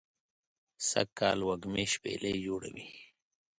سږ کال وږمې شپیلۍ جوړوی